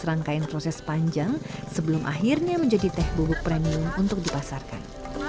dan mengangkain proses panjang sebelum akhirnya menjadi teh bubuk premium untuk dipasarkan